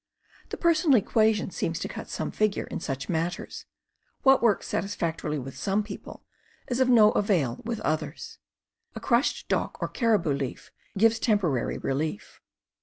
The personal equation seems to cut some figure in such matters: what works satisfactorily with some people is of no avail with others. A crushed dock or caribou leaf gives temporary relief.